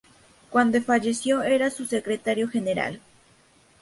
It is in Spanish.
Cuando falleció era su secretario general.